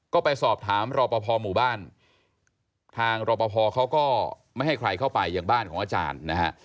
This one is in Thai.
ก็ไปสอบถามรอปภหมู่บ้านทางรอปภเขาก็ไม่ให้ใครเข้าไปอย่างบ้านของอาจารย์นะฮะ